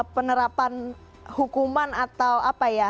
penerapan hukuman atau apa ya